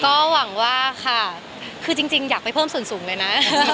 ก็หวังว่าค่ะคือจริงอยากไปเพิ่มส่วนสูงเลยนะ